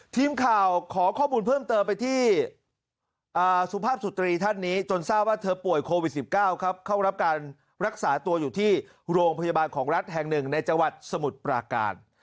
ที่สุภาพสุตรีท่านนี้จนทราบว่าเธอป่วยโควิด๑๙เข้ารับรักษาตัวอยู่ที่โรงพยาบาลของรัฐแห่ง๑ในจังหวัดสมุดปราการ